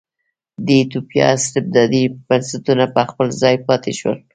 د ایتوپیا استبدادي بنسټونه په خپل ځای پاتې شول.